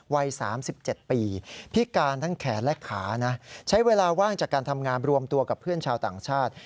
วัย๓๗ปีพิการทั้งแขนและขานะใช้เวลาว่างจากการทำงานรวมตัวกับเพื่อนชาวต่างชาติ